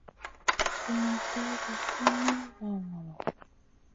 Sum mun sergue Kay min lawn ngolo.